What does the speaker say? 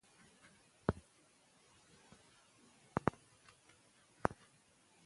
مطالعه اوکتاب لوستل د پراخې اندازې بلنه راکوي.